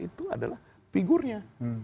itu adalah figurnya